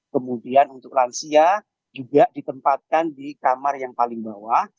kemudian untuk lansia juga ditempatkan di kamar yang paling bawah